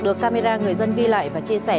được camera người dân ghi lại và chia sẻ